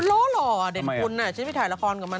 มันโร่หรอเด่นคุณฉันไม่ถ่ายละครกับมัน